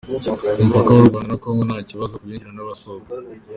Ku mupaka w’u Rwanda na kongo nta bibazo ku binjira n’abasohoka